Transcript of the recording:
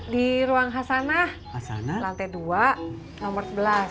di ruang hasanah lantai dua nomor sebelas